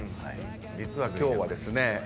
実は今日はですね